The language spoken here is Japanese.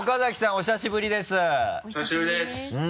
お久しぶりです。